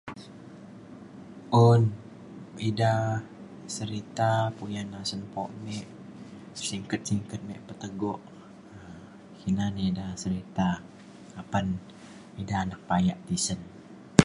un ida serita puyan asen lepo me singget singget me petego um ina na ida serita apan ida na bayak tisen